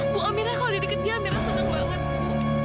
bu amirah kalau dia deket dia amirah senang banget bu